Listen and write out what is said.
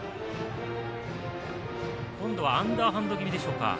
今度はアンダーハンド気味でしょうか。